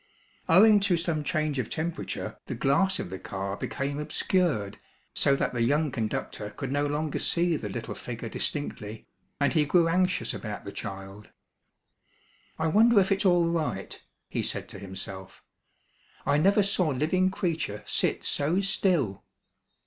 Owing to some change of temperature the glass of the car became obscured so that the young conductor could no longer see the little figure distinctly, and he grew anxious about the child. "I wonder if it's all right," he said to himself. "I never saw living creature sit so still."